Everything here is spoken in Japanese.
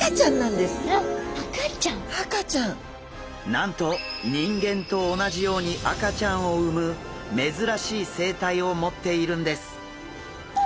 なんと人間と同じように赤ちゃんを産む珍しい生態を持っているんです！